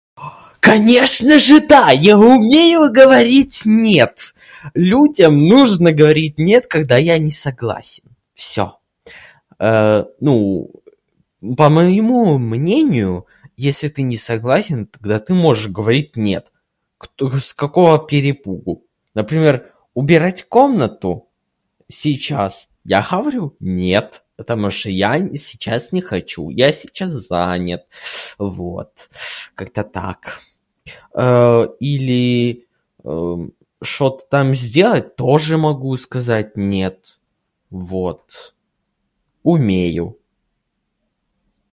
"А, конечно же да! Я умею говорить нет. Людям нужно говорить нет, когда я не согласен. Всё. [disfluency|Э], [disfluency|ну], по моему мнению, если ты не согласен, тогда ты можешь говорить нет. Кто с какого перепугу? Например, убирать комнату сейчас? Я говорю: ""Нет, потому что я н- сейчас не хочу. Я сейчас занят"". Вот, как-то так. Или, [disfluency|э], шо-то там сделать тоже могу сказать нет. Вот, умею."